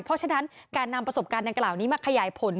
เพราะฉะนั้นการนำประสบการณ์ดังกล่าวนี้มาขยายผล